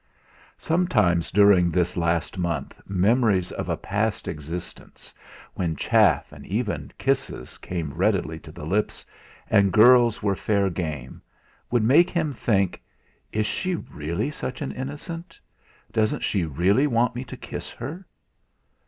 Sometimes during this last month memories of a past existence, when chaff and even kisses came readily to the lips, and girls were fair game, would make him think: 'Is she really such an innocent? Doesn't she really want me to kiss her?'